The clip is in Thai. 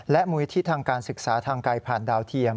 และมุยที่ทางการศึกษาทางไกลผ่านดาวเทียม